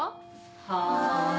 はい。